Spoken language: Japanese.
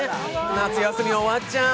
夏休み、終わっちゃう。